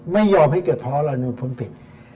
ไม่ยอมให้เกิดเพราะอะไรในพ้นผิด